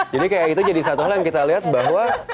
jadi kayak itu jadi satu hal yang kita lihat bahwa